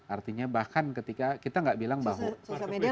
artinya bahkan ketika kita gak bilang bahwa